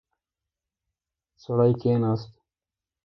سړی کښیناست.